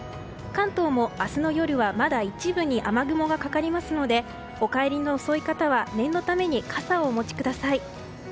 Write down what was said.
関東も明日の夜は、まだ一部に雨雲がかかりますのでお帰りの遅い方は念のために傘をお持ちください。